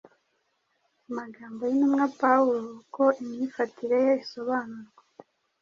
Amagambo y’intumwa Pawulo, uko imyifatire ye isobanurwa